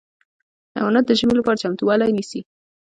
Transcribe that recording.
حیوانات د ژمي لپاره چمتووالی نیسي.